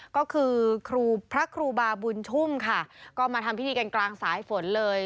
ก็คือครูพระครูบาบุญชุ่มค่ะก็มาทำพิธีกันกลางสายฝนเลย